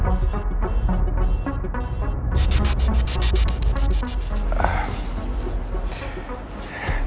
lo suka sama siapa